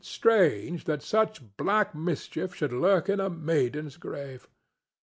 Strange that such black mischief should lurk in a maiden's grave!